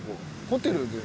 ホテルで。